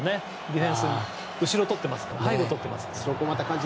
ディフェンスの後ろをとってますね。